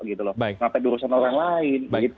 ngapain urusan orang lain